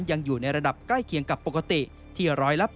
ยังอยู่ในระดับใกล้เคียงกับปกติที่๑๘๐